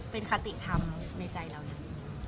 เป็นคติธรรมในใจเรานั้น